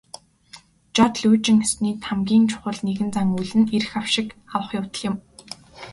Жод лүйжин ёсны хамгийн чухал нэгэн зан үйл нь эрх авшиг авах явдал юм.